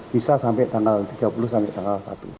bisa sampai tanggal tiga puluh sampai tanggal satu